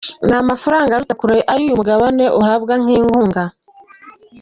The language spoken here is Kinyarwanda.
Ni amafaranga aruta kure ayo uyu mugabane uhabwa nk’inkunga.